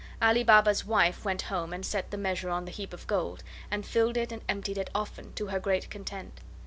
Ali Baba's wife went home and set the measure on the heap of gold, and filled it and emptied it often, to her great content.